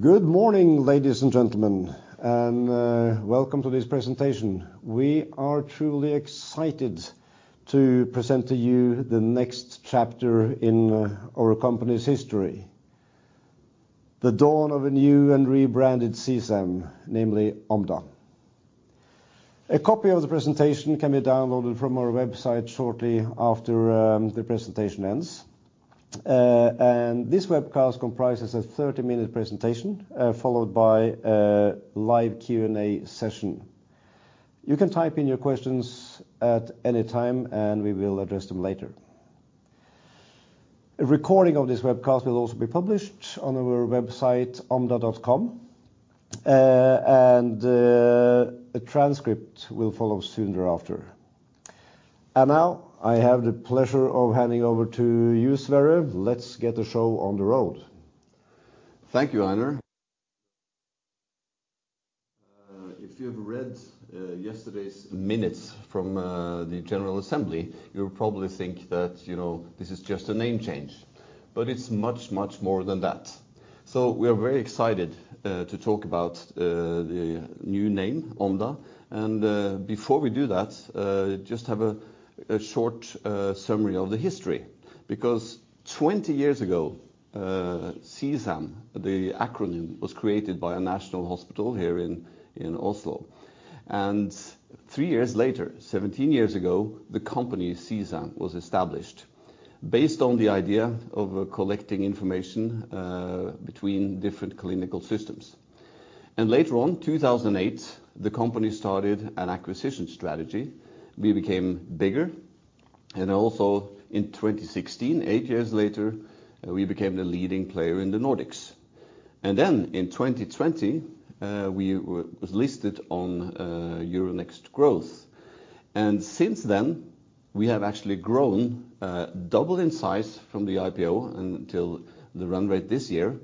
Good morning, ladies and gentlemen, and welcome to this presentation. We are truly excited to present to you the next chapter in our company's history, the dawn of a new and rebranded CSAM, namely Omda. A copy of the presentation can be downloaded from our website shortly after the presentation ends. And this webcast comprises a 30-minute presentation followed by a live Q&A session. You can type in your questions at any time, and we will address them later. A recording of this webcast will also be published on our website, omda.com, and a transcript will follow soon thereafter. And now I have the pleasure of handing over to you, Sverre. Let's get the show on the road. Thank you, Einar. If you have read yesterday's minutes from the general assembly, you'll probably think that, you know, this is just a name change, but it's much, much more than that. So we are very excited to talk about the new name, Omda. And before we do that, just have a short summary of the history. Because 20 years ago, CSAM, the acronym, was created by a national hospital here in Oslo, and three years later, 17 years ago, the company CSAM was established based on the idea of collecting information between different clinical systems. And later on, 2008, the company started an acquisition strategy. We became bigger, and also in 2016, eight years later, we became the leading player in the Nordics. And then in 2020, we were listed on Euronext Growth. And since then, we have actually grown, doubled in size from the IPO until the run rate this year.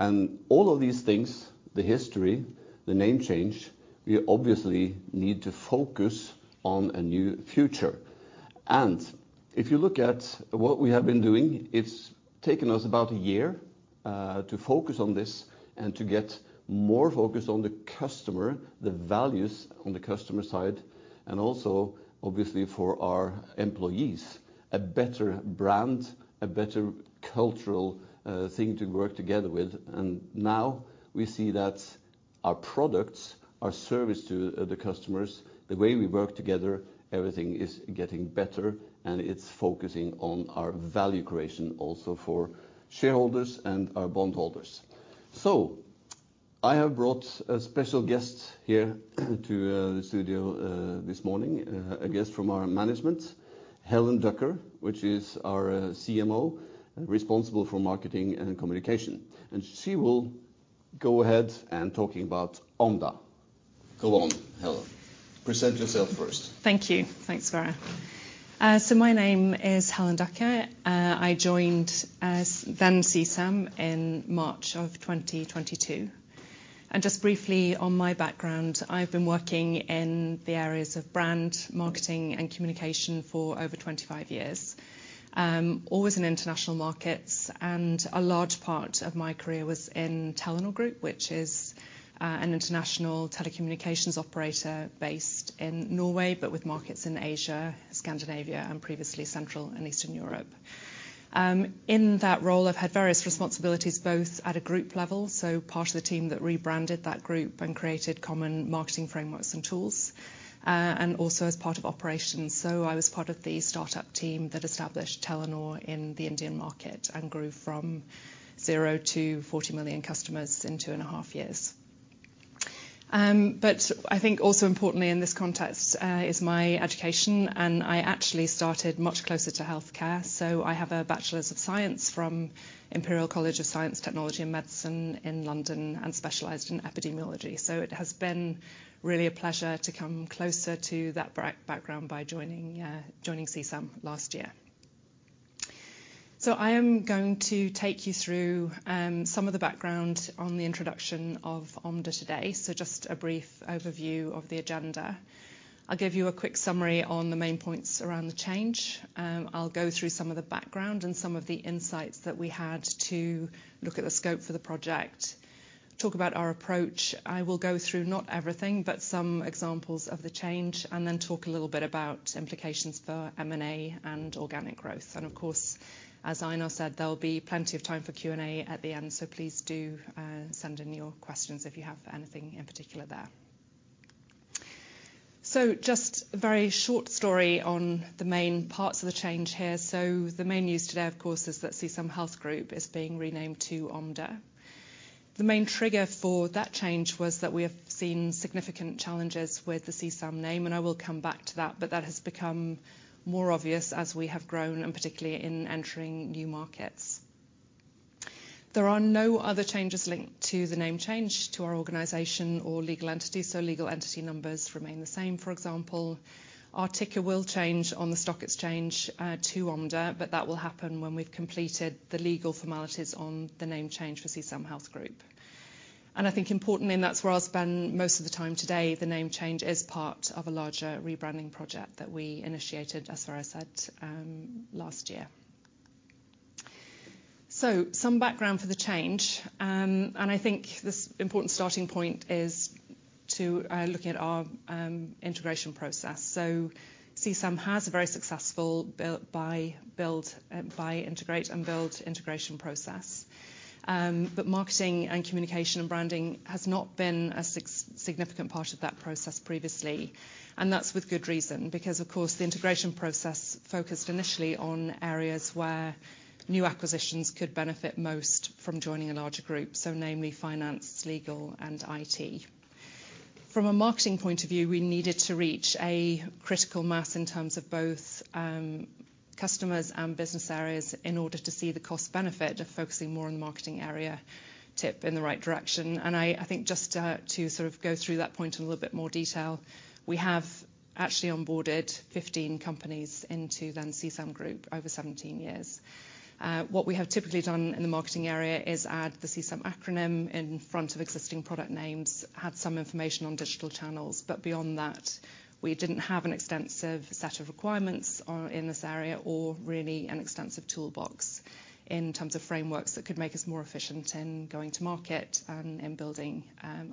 And all of these things, the history, the name change, we obviously need to focus on a new future. And if you look at what we have been doing, it's taken us about a year to focus on this and to get more focused on the customer, the values on the customer side, and also obviously for our employees, a better brand, a better cultural thing to work together with. And now we see that our products, our service to the customers, the way we work together, everything is getting better, and it's focusing on our value creation also for shareholders and our bondholders. So I have brought a special guest here to the studio this morning, a guest from our management, Helen Døcker, who is our CMO, responsible for marketing and communication, and she will go ahead and talking about Omda. Go on, Helen. Present yourself first. Thank you. Thanks, Sverre. So my name is Helen Døcker. I joined, as then CSAM, in March of 2022 Just briefly on my background, I've been working in the areas of brand, marketing, and communication for over 25 years. Always in international markets, and a large part of my career was in Telenor Group, which is an international telecommunications operator based in Norway, but with markets in Asia, Scandinavia, and previously Central and Eastern Europe. In that role, I've had various responsibilities, both at a group level, so part of the team that rebranded that group and created common marketing frameworks and tools, and also as part of operations. I was part of the startup team that established Telenor in the Indian market and grew from zero to 40 million customers in two and a half years. But I think also importantly in this context is my education, and I actually started much closer to healthcare. So I have a Bachelor of Science from Imperial College of Science, Technology and Medicine in London, and specialized in Epidemiology. So it has been really a pleasure to come closer to that background by joining CSAM last year. So I am going to take you through some of the background on the introduction of Omda today. So just a brief overview of the agenda. I'll give you a quick summary on the main points around the change. I'll go through some of the background and some of the insights that we had to look at the scope for the project. Talk about our approach. I will go through not everything, but some examples of the change, and then talk a little bit about implications for M&A and organic growth. And of course, as Einar said, there will be plenty of time for Q&A at the end, so please do, send in your questions if you have anything in particular there. So just a very short story on the main parts of the change here. So the main news today, of course, is that CSAM Health Group is being renamed to Omda. The main trigger for that change was that we have seen significant challenges with the CSAM name, and I will come back to that, but that has become more obvious as we have grown, and particularly in entering new markets. There are no other changes linked to the name change to our organization or legal entity, so legal entity numbers remain the same. For example, our ticker will change on the stock exchange to Omda, but that will happen when we've completed the legal formalities on the name change for CSAM Health Group. I think importantly, and that's where I'll spend most of the time today, the name change is part of a larger rebranding project that we initiated, as Sverre said, last year. Some background for the change, and I think this important starting point is to look at our integration process. CSAM has a very successful build, buy, integrate and build integration process. But marketing and communication and branding has not been a significant part of that process previously, and that's with good reason. Because, of course, the integration process focused initially on areas where new acquisitions could benefit most from joining a larger group, so namely finance, legal, and IT. From a marketing point of view, we needed to reach a critical mass in terms of both, customers and business areas in order to see the cost benefit of focusing more on the marketing area tip in the right direction. And I think just, to sort of go through that point in a little bit more detail, we have actually onboarded 15 companies into the CSAM Group over 17 years. What we have typically done in the marketing area is add the CSAM acronym in front of existing product names, had some information on digital channels, but beyond that, we didn't have an extensive set of requirements in this area, or really an extensive toolbox in terms of frameworks that could make us more efficient in going to market and in building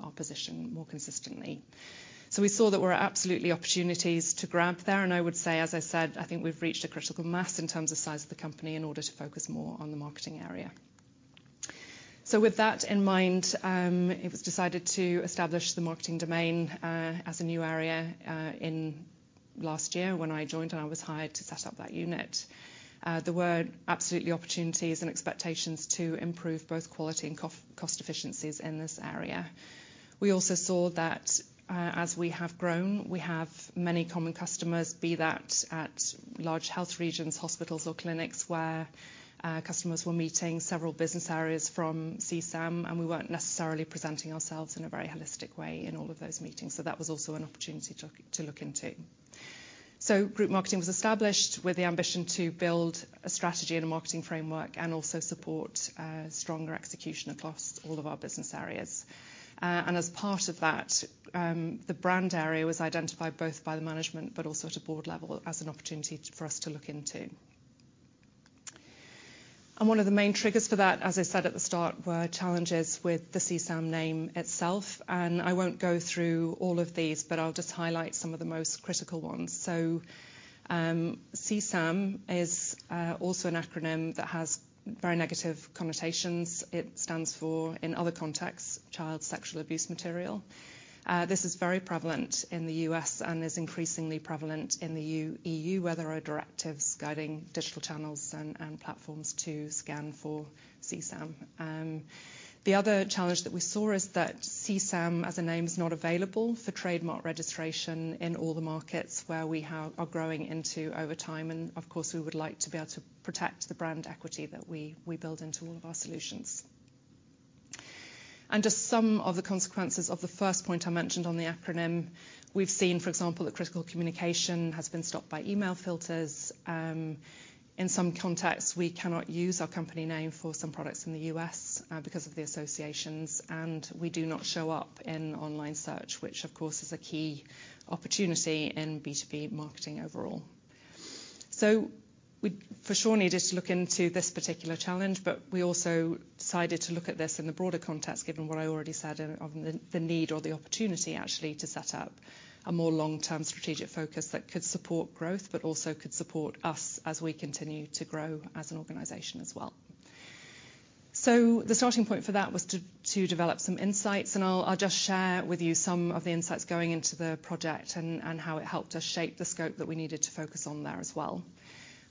our position more consistently. So we saw that there were absolutely opportunities to grab there, and I would say, as I said, I think we've reached a critical mass in terms of size of the company in order to focus more on the marketing area. So with that in mind, it was decided to establish the marketing domain as a new area in last year when I joined, and I was hired to set up that unit. There were absolutely opportunities and expectations to improve both quality and cost efficiencies in this area. We also saw that, as we have grown, we have many common customers, be that at large health regions, hospitals, or clinics, where customers were meeting several business areas from CSAM, and we weren't necessarily presenting ourselves in a very holistic way in all of those meetings. So that was also an opportunity to look into. So group marketing was established with the ambition to build a strategy and a marketing framework, and also support stronger execution across all of our business areas. And as part of that, the brand area was identified both by the management, but also at board level, as an opportunity for us to look into. One of the main triggers for that, as I said at the start, were challenges with the CSAM name itself, and I won't go through all of these, but I'll just highlight some of the most critical ones. So, CSAM is also an acronym that has very negative connotations. It stands for, in other contexts, child sexual abuse material. This is very prevalent in the U.S. and is increasingly prevalent in the E.U., where there are directives guiding digital channels and platforms to scan for CSAM. The other challenge that we saw is that CSAM, as a name, is not available for trademark registration in all the markets where we have... are growing into over time. And of course, we would like to be able to protect the brand equity that we build into all of our solutions. Just some of the consequences of the first point I mentioned on the acronym, we've seen, for example, that critical communication has been stopped by email filters. In some contexts, we cannot use our company name for some products in the U.S., because of the associations, and we do not show up in online search, which of course is a key opportunity in B2B marketing overall. We for sure needed to look into this particular challenge, but we also decided to look at this in the broader context, given what I already said, of the need or the opportunity actually to set up a more long-term strategic focus that could support growth, but also could support us as we continue to grow as an organization as well. So the starting point for that was to develop some insights, and I'll just share with you some of the insights going into the project and how it helped us shape the scope that we needed to focus on there as well.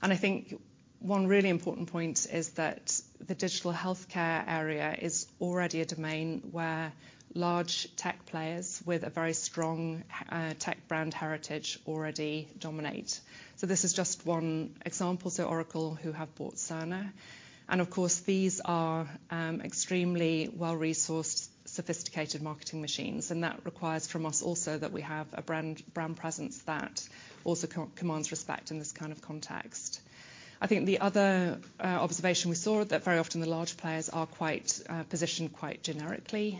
And I think one really important point is that the Digital Healthcare area is already a domain where large tech players with a very strong tech brand heritage already dominate. So this is just one example. So Oracle, who have bought Cerner, and of course, these are extremely well-resourced, sophisticated marketing machines, and that requires from us also that we have a brand presence that also co-commands respect in this kind of context. I think the other, observation we saw, that very often the large players are quite, positioned quite generically,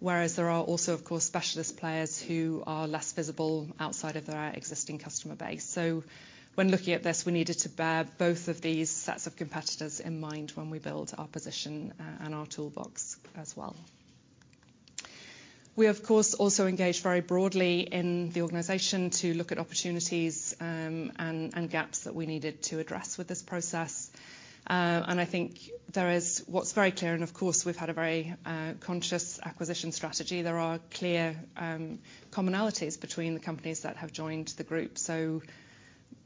whereas there are also, of course, specialist players who are less visible outside of their existing customer base. So when looking at this, we needed to bear both of these sets of competitors in mind when we build our position, and our toolbox as well. We, of course, also engaged very broadly in the organization to look at opportunities, and gaps that we needed to address with this process. And I think there is... What’s very clear, and of course, we’ve had a very, conscious acquisition strategy. There are clear, commonalities between the companies that have joined the group, so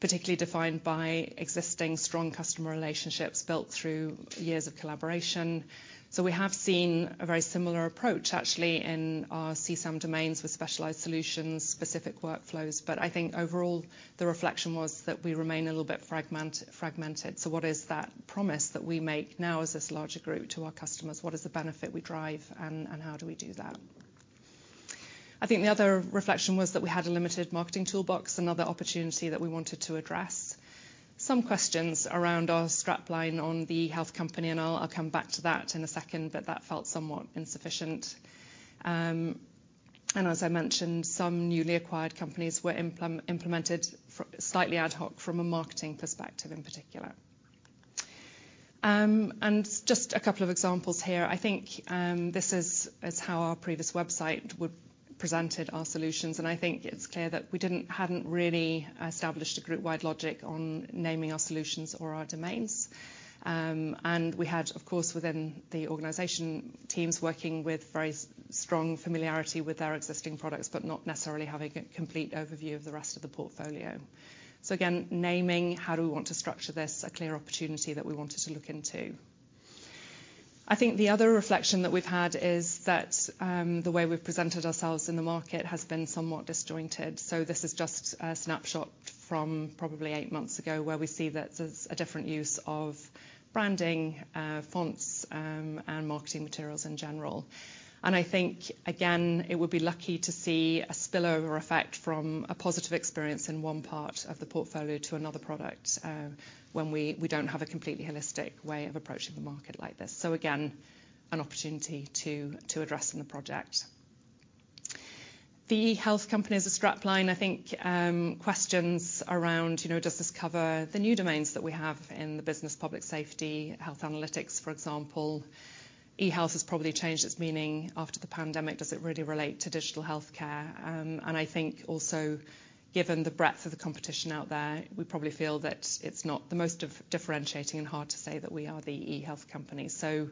particularly defined by existing strong customer relationships built through years of collaboration. So we have seen a very similar approach, actually, in our CSAM domains with specialized solutions, specific workflows. But I think overall, the reflection was that we remain a little bit fragmented. So what is that promise that we make now as this larger group to our customers? What is the benefit we drive, and how do we do that? I think the other reflection was that we had a limited marketing toolbox, another opportunity that we wanted to address. Some questions around our strap line on the health company, and I'll come back to that in a second, but that felt somewhat insufficient. And as I mentioned, some newly acquired companies were implemented slightly ad hoc from a marketing perspective, in particular. And just a couple of examples here. I think this is how our previous website would presented our solutions, and I think it's clear that we hadn't really established a group-wide logic on naming our solutions or our domains. And we had, of course, within the organization, teams working with very strong familiarity with our existing products, but not necessarily having a complete overview of the rest of the portfolio. So again, naming, how do we want to structure this? A clear opportunity that we wanted to look into. I think the other reflection that we've had is that the way we've presented ourselves in the market has been somewhat disjointed. So this is just a snapshot from probably eight months ago, where we see that it's a different use of branding, fonts, and marketing materials in general. I think, again, it would be lucky to see a spillover effect from a positive experience in one part of the portfolio to another product, when we don't have a completely holistic way of approaching the market like this. So again, an opportunity to address in the project. The eHealth company as a strap line, I think, questions around, you know, does this cover the new domains that we have in the business? Public safety, health analytics, for example. eHealth has probably changed its meaning after the pandemic. Does it really relate to digital healthcare? And I think also, given the breadth of the competition out there, we probably feel that it's not the most differentiating and hard to say that we are the eHealth company. So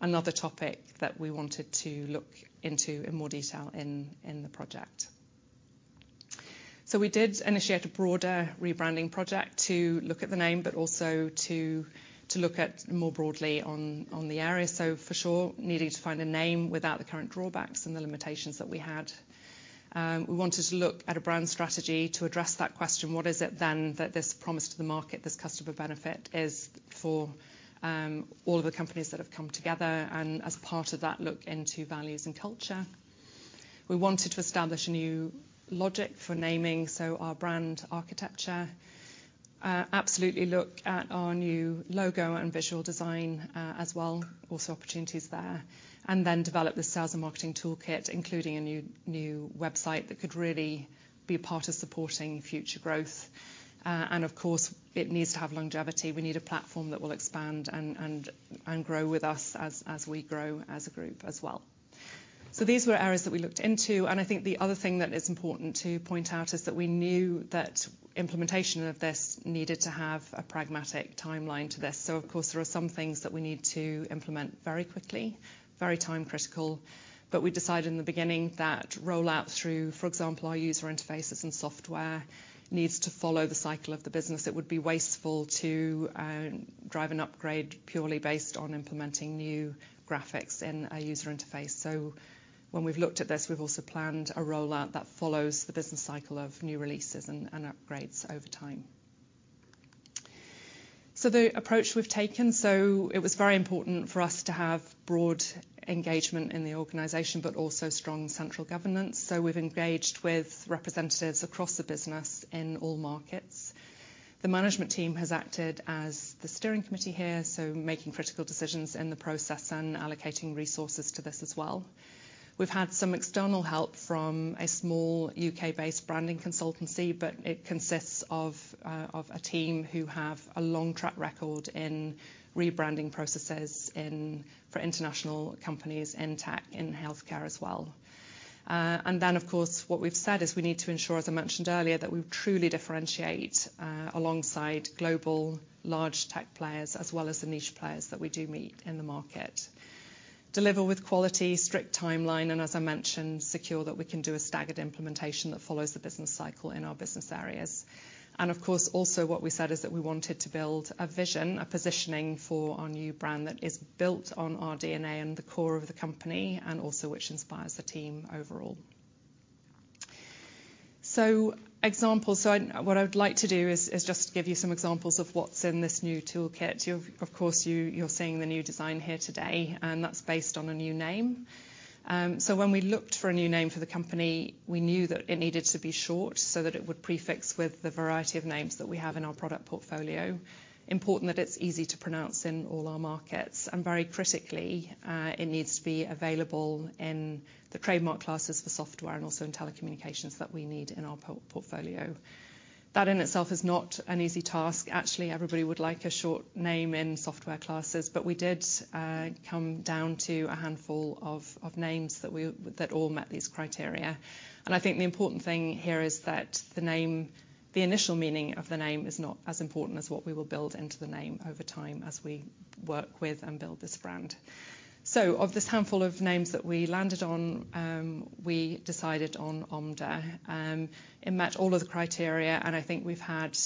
another topic that we wanted to look into in more detail in the project. So we did initiate a broader rebranding project to look at the name, but also to look at more broadly on the area. So for sure, needing to find a name without the current drawbacks and the limitations that we had. We wanted to look at a brand strategy to address that question, what is it then, that this promise to the market, this customer benefit is for all of the companies that have come together, and as part of that, look into values and culture. We wanted to establish a new logic for naming, so our brand architecture. Absolutely look at our new logo and visual design, as well. Also opportunities there. And then develop the sales and marketing toolkit, including a new website that could really be a part of supporting future growth. Of course, it needs to have longevity. We need a platform that will expand and grow with us as we grow as a group as well. These were areas that we looked into, and I think the other thing that is important to point out is that we knew that implementation of this needed to have a pragmatic timeline to this. Of course, there are some things that we need to implement very quickly, very time critical, but we decided in the beginning that rollout through, for example, our user interfaces and software, needs to follow the cycle of the business. It would be wasteful to drive an upgrade purely based on implementing new graphics in a user interface. So when we've looked at this, we've also planned a rollout that follows the business cycle of new releases and upgrades over time. So the approach we've taken, so it was very important for us to have broad engagement in the organization, but also strong central governance. So we've engaged with representatives across the business in all markets. The management team has acted as the steering committee here, so making critical decisions in the process and allocating resources to this as well. We've had some external help from a small U.K.-based branding consultancy, but it consists of a team who have a long track record in rebranding processes in for international companies in tech, in healthcare as well. Then, of course, what we've said is we need to ensure, as I mentioned earlier, that we truly differentiate alongside global large tech players, as well as the niche players that we do meet in the market. Deliver with quality, strict timeline, and as I mentioned, secure that we can do a staggered implementation that follows the business cycle in our business areas. And of course, also what we said is that we wanted to build a vision, a positioning for our new brand that is built on our DNA and the core of the company, and also which inspires the team overall. So examples, so what I would like to do is just give you some examples of what's in this new toolkit. You've, of course, you're seeing the new design here today, and that's based on a new name. So when we looked for a new name for the company, we knew that it needed to be short, so that it would prefix with the variety of names that we have in our product portfolio. Important that it's easy to pronounce in all our markets, and very critically, it needs to be available in the trademark classes for software and also in telecommunications that we need in our portfolio. That in itself is not an easy task. Actually, everybody would like a short name in software classes, but we did come down to a handful of names that all met these criteria. I think the important thing here is that the name, the initial meaning of the name, is not as important as what we will build into the name over time as we work with and build this brand. So of this handful of names that we landed on, we decided on Omda. It matched all of the criteria, and I think we've had,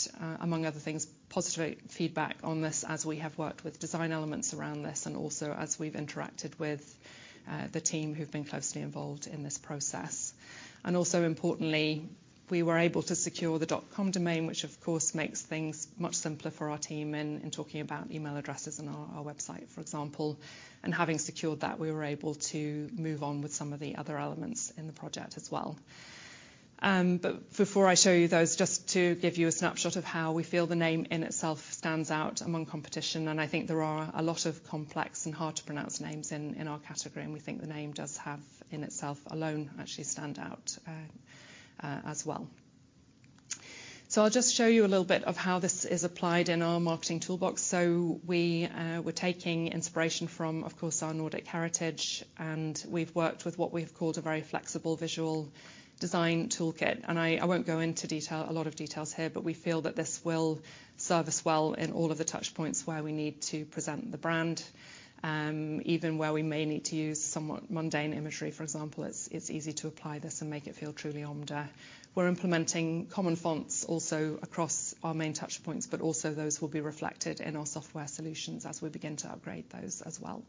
among other things, positive feedback on this as we have worked with design elements around this, and also as we've interacted with the team who've been closely involved in this process. And also importantly, we were able to secure the .com domain, which of course makes things much simpler for our team in talking about email addresses and our website, for example. And having secured that, we were able to move on with some of the other elements in the project as well.... But before I show you those, just to give you a snapshot of how we feel the name in itself stands out among competition, and I think there are a lot of complex and hard-to-pronounce names in our category, and we think the name does have, in itself, alone, actually stand out, as well. So I'll just show you a little bit of how this is applied in our marketing toolbox. So we're taking inspiration from, of course, our Nordic heritage, and we've worked with what we've called a very flexible visual design toolkit. And I won't go into detail, a lot of details here, but we feel that this will serve us well in all of the touch points where we need to present the brand. Even where we may need to use somewhat mundane imagery, for example, it's easy to apply this and make it feel truly Omda. We're implementing common fonts also across our main touch points, but also those will be reflected in our software solutions as we begin to upgrade those as well.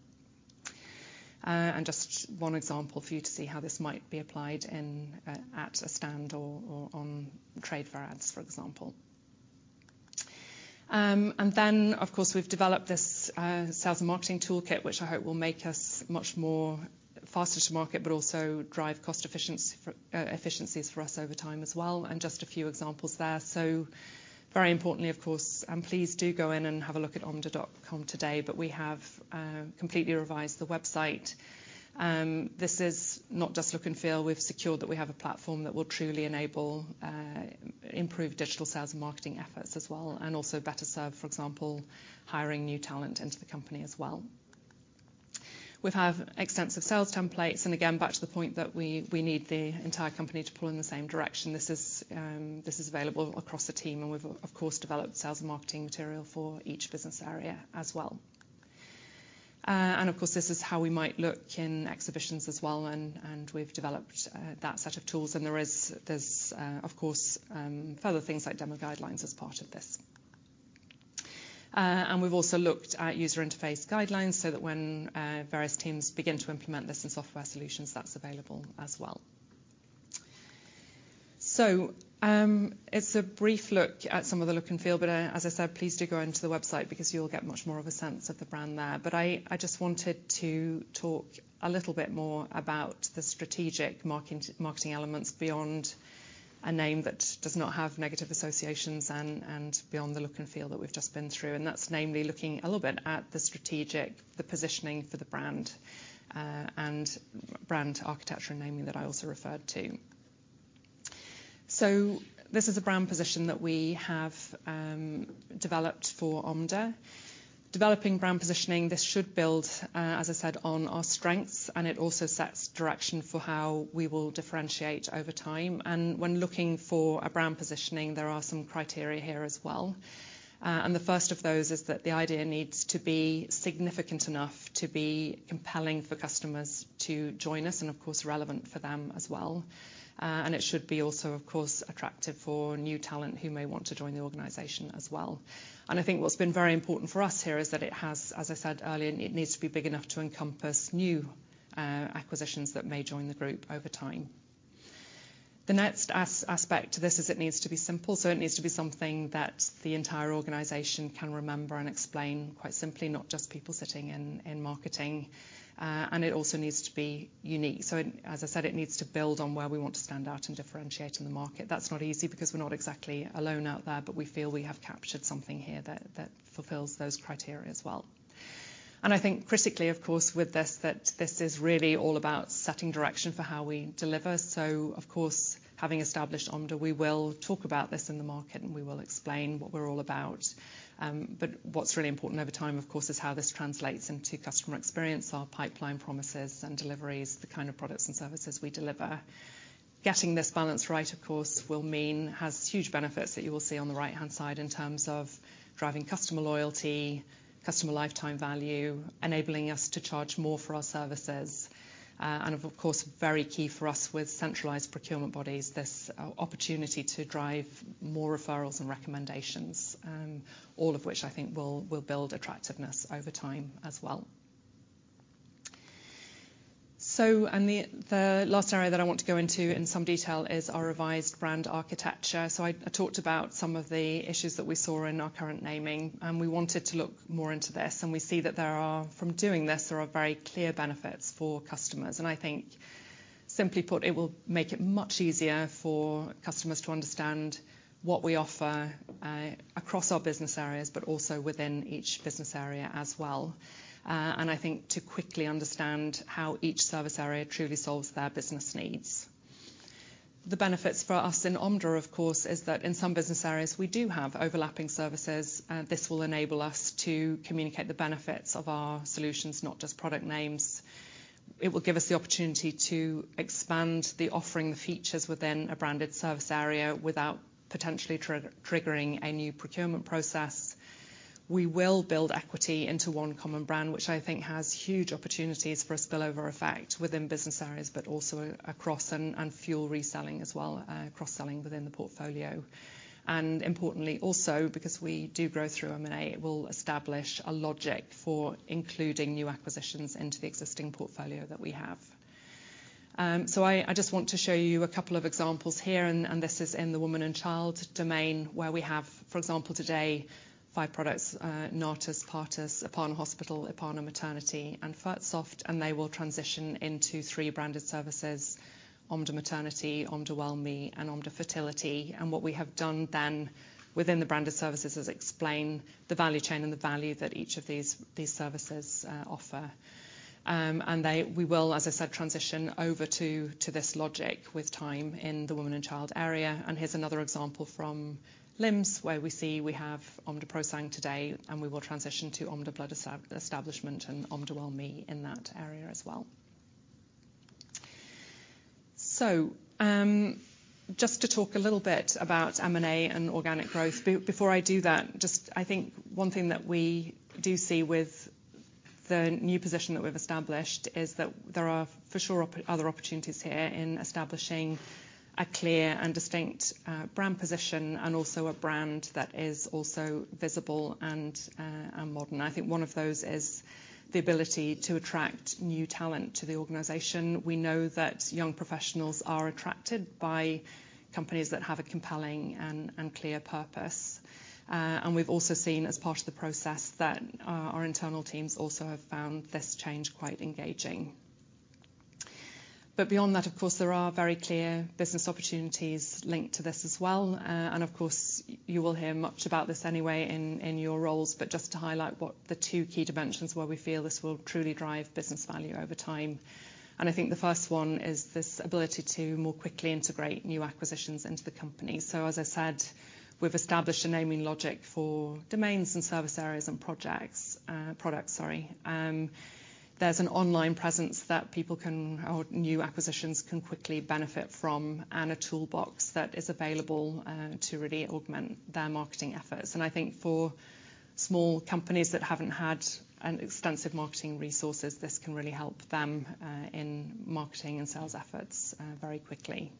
And just one example for you to see how this might be applied in at a stand or on trade fair ads, for example. And then, of course, we've developed this sales and marketing toolkit, which I hope will make us much more faster to market, but also drive cost efficiency for efficiencies for us over time as well. And just a few examples there. So very importantly, of course, and please do go in and have a look at omda.com today, but we have completely revised the website. This is not just look and feel. We've secured that we have a platform that will truly enable improve digital sales and marketing efforts as well, and also better serve, for example, hiring new talent into the company as well. We have extensive sales templates, and again, back to the point that we, we need the entire company to pull in the same direction. This is this is available across the team, and we've, of course, developed sales and marketing material for each business area as well. And of course, this is how we might look in exhibitions as well, and we've developed that set of tools, and there's, of course, further things like demo guidelines as part of this. And we've also looked at user interface guidelines so that when various teams begin to implement this in software solutions, that's available as well. So, it's a brief look at some of the look and feel, but as I said, please do go into the website because you'll get much more of a sense of the brand there. But I just wanted to talk a little bit more about the strategic marketing, marketing elements beyond a name that does not have negative associations and, and beyond the look and feel that we've just been through. And that's namely looking a little bit at the strategic, the positioning for the brand, and brand architecture, and naming that I also referred to. So this is a brand position that we have developed for Omda. Developing brand positioning, this should build, as I said, on our strengths, and it also sets direction for how we will differentiate over time. When looking for a brand positioning, there are some criteria here as well. The first of those is that the idea needs to be significant enough to be compelling for customers to join us, and of course, relevant for them as well. It should be also, of course, attractive for new talent who may want to join the organization as well. I think what's been very important for us here is that it has, as I said earlier, it needs to be big enough to encompass new, acquisitions that may join the group over time. The next aspect to this is it needs to be simple, so it needs to be something that the entire organization can remember and explain quite simply, not just people sitting in marketing, and it also needs to be unique. So as I said, it needs to build on where we want to stand out and differentiate in the market. That's not easy because we're not exactly alone out there, but we feel we have captured something here that fulfills those criteria as well. And I think critically, of course, with this, that this is really all about setting direction for how we deliver. So of course, having established Omda, we will talk about this in the market, and we will explain what we're all about. But what's really important over time, of course, is how this translates into customer experience, our pipeline promises and deliveries, the kind of products and services we deliver. Getting this balance right, of course, will mean, has huge benefits that you will see on the right-hand side in terms of driving customer loyalty, customer lifetime value, enabling us to charge more for our services. And of course, very key for us with centralized procurement bodies, this opportunity to drive more referrals and recommendations, all of which I think will, will build attractiveness over time as well. So, the last area that I want to go into in some detail is our revised brand architecture. So I talked about some of the issues that we saw in our current naming, and we wanted to look more into this, and we see that there are... From doing this, there are very clear benefits for customers. And I think simply put, it will make it much easier for customers to understand what we offer, across our business areas, but also within each business area as well, and I think to quickly understand how each service area truly solves their business needs. The benefits for us in Omda, of course, is that in some business areas, we do have overlapping services, this will enable us to communicate the benefits of our solutions, not just product names. It will give us the opportunity to expand the offering, the features within a branded service area without potentially triggering a new procurement process. We will build equity into one common brand, which I think has huge opportunities for a spillover effect within business areas, but also across and fuel reselling as well, cross-selling within the portfolio. And importantly, also, because we do grow through M&A, it will establish a logic for including new acquisitions into the existing portfolio that we have. So I just want to show you a couple of examples here, and this is in the Woman & Child domain, where we have, for example, today five products, NATAS, Partus, iPana Hospital, iPana Maternity, and Fertsoft, and they will transition into three branded services, Omda Maternity, Omda Wellme, and Omda Fertility. And what we have done then within the branded services is explain the value chain and the value that each of these services offer. We will, as I said, transition over to this logic with time in the Woman & Child area. Here's another example from LIMS, where we see we have Omda ProSang today, and we will transition to Omda Blood Establishment and Omda Wellme in that area as well. Just to talk a little bit about M&A and organic growth. Before I do that, I think one thing that we do see with the new position that we've established is that there are for sure other opportunities here in establishing a clear and distinct brand position and also a brand that is also visible and modern. I think one of those is the ability to attract new talent to the organization. We know that young professionals are attracted by companies that have a compelling and clear purpose. And we've also seen as part of the process that, our internal teams also have found this change quite engaging. But beyond that, of course, there are very clear business opportunities linked to this as well. And of course, you will hear much about this anyway in your roles, but just to highlight what the two key dimensions, where we feel this will truly drive business value over time. And I think the first one is this ability to more quickly integrate new acquisitions into the company. So as I said, we've established a naming logic for domains and service areas and projects, products, sorry. There's an online presence that people can, or new acquisitions can quickly benefit from, and a toolbox that is available, to really augment their marketing efforts. I think for small companies that haven't had an extensive marketing resources, this can really help them in marketing and sales efforts very quickly.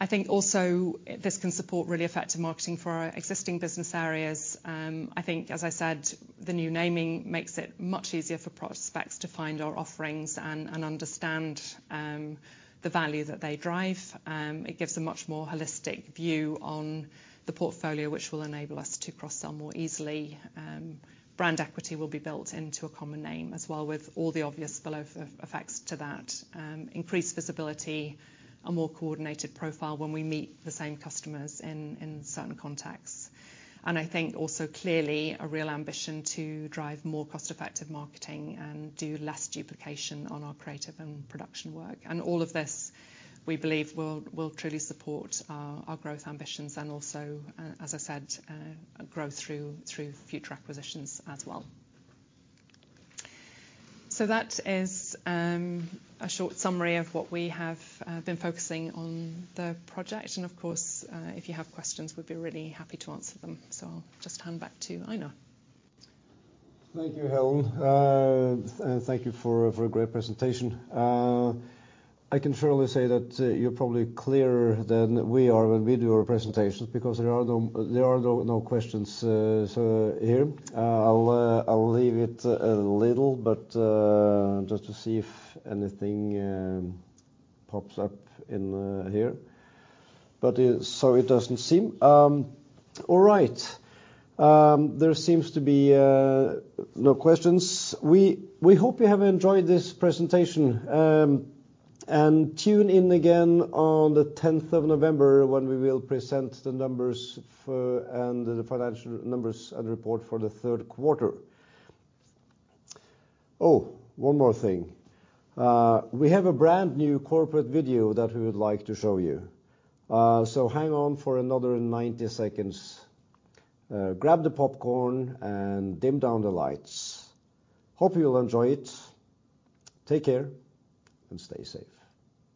I think also this can support really effective marketing for our existing business areas. I think, as I said, the new naming makes it much easier for prospects to find our offerings and understand the value that they drive. It gives a much more holistic view on the portfolio, which will enable us to cross-sell more easily. Brand equity will be built into a common name as well, with all the obvious spillover effects to that. Increased visibility, a more coordinated profile when we meet the same customers in certain contexts. And I think also clearly a real ambition to drive more cost-effective marketing and do less duplication on our creative and production work. All of this, we believe, will truly support our growth ambitions and also, as I said, growth through future acquisitions as well. That is a short summary of what we have been focusing on the project. Of course, if you have questions, we'd be really happy to answer them. So I'll just hand back to Einar. Thank you, Helen. Thank you for a great presentation. I can surely say that you're probably clearer than we are when we do our presentations, because there are no questions, so here. I'll leave it a little, but just to see if anything pops up in here. But so it doesn't seem. All right. There seems to be no questions. We hope you have enjoyed this presentation and tune in again on the tenth of November, when we will present the numbers for, and the financial numbers, and report for the third quarter. Oh, one more thing. We have a brand-new corporate video that we would like to show you. So hang on for another 90 seconds. Grab the popcorn and dim down the lights. Hope you will enjoy it. Take care and stay safe.